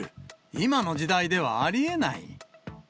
今の時代ではありえない。